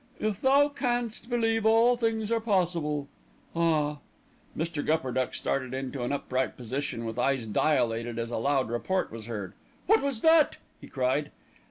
"'If thou canst believe, all things are possible.' Ah!" Mr. Gupperduck started into an upright position with eyes dilated as a loud report was heard. "What was that?" he cried.